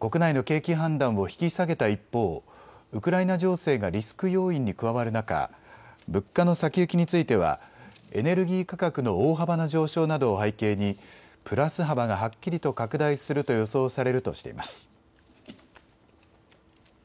国内の景気判断を引き下げた一方、ウクライナ情勢がリスク要因に加わる中、物価の先行きについてはエネルギー価格の大幅な上昇などを背景にプラス幅がはっきりと拡大すると予想されるとしています。